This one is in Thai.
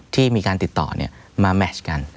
ที่มีการติดต่อมาแมชกัน